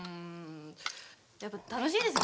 やっぱ楽しいですね。